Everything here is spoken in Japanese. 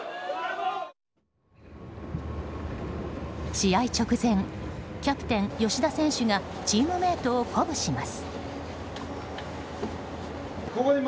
試合直前キャプテン、吉田選手がチームメートを鼓舞します。